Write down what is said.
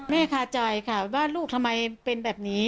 คาใจค่ะว่าลูกทำไมเป็นแบบนี้